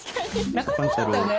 なかなかなかったよね。